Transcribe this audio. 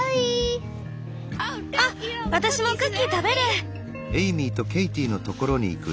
あっ私もクッキー食べる！